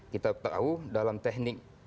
kita tahu dalam teknik